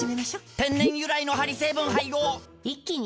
天然由来のハリ成分配合一気に！